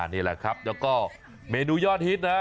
นี่แหละครับแล้วก็เมนูยอดฮิตนะ